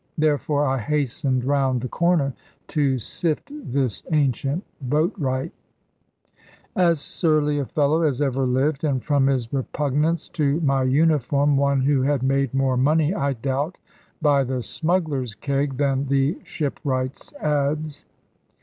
Therefore I hastened round the corner, to sift this ancient boatwright. As surly a fellow as ever lived, and from his repugnance to my uniform, one who had made more money, I doubt, by the smuggler's keg than the shipwright's adze.